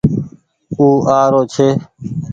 او آ رو ڇي